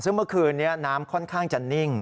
ซึ่งเมื่อคืนนี้น้ำค่อนข้างจะนิ่ง